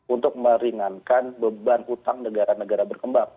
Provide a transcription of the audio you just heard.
untuk meringankan beban utang negara negara berkembang